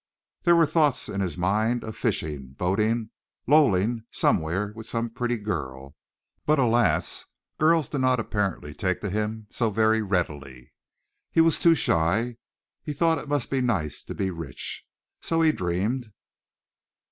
There were thoughts in his mind of fishing, boating, lolling somewhere with some pretty girl, but alas, girls did not apparently take to him so very readily. He was too shy. He thought it must be nice to be rich. So he dreamed.